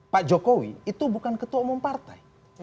pak jokowi itu bukan ketua umum partai